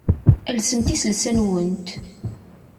Alsemt iselsa-nwent.